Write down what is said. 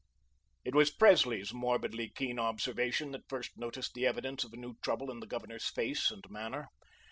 It was Presley's morbidly keen observation that first noticed the evidence of a new trouble in the Governor's face and manner.